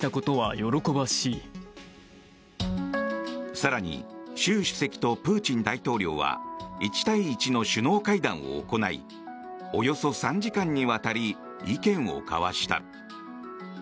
更に習主席とプーチン大統領は１対１の首脳会談を行いおよそ３時間にわたり意見を交わした。